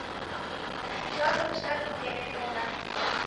— Чыла шотыштат темен толына.